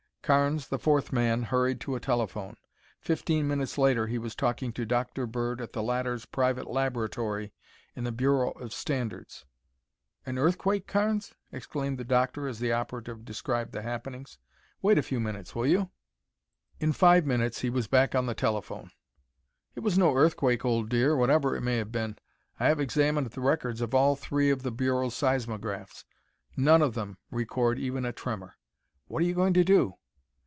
Carnes, the fourth man, hurried to a telephone. Fifteen minutes later he was talking to Dr. Bird at the latter's private laboratory in the Bureau of Standards. "An earthquake, Carnes?" exclaimed the doctor as the operative described the happenings. "Wait a few minutes, will you?" In five minutes he was back on the telephone. "It was no earthquake, old dear, whatever it may have been. I have examined the records of all three of the Bureau's seismographs. None of them record even a tremor. What are you going to do?"